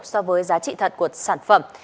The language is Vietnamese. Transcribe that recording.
so với giá trị thật của sản phẩm